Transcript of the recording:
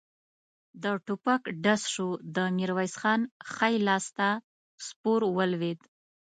د ټوپک ډز شو، د ميرويس خان ښی لاس ته سپور ولوېد.